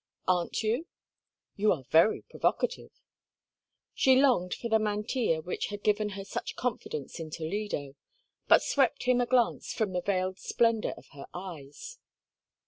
"Aren't you?" "You are very provocative." She longed for the mantilla which had given her such confidence in Toledo, but swept him a glance from the veiled splendor of her eyes.